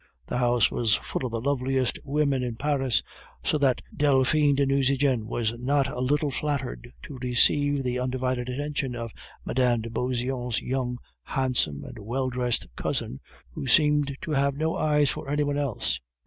The house was full of the loveliest women in Paris, so that Delphine de Nucingen was not a little flattered to receive the undivided attention of Mme. de Beauseant's young, handsome, and well dressed cousin, who seemed to have no eyes for any one else.